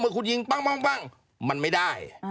คุณยิงปั้งมันไม่ได้